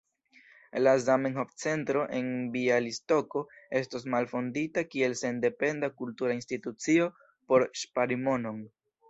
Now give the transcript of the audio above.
La Zamenhof-centro en Bjalistoko estos malfondita kiel sendependa kultura institucio por ŝpari monon.